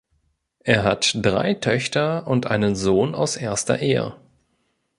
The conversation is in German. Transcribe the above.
Er hat drei Töchter und einen Sohn aus erster Ehe.